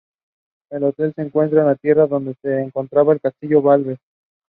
A magazine was produced in Liverpool solely devoted to pantomimes.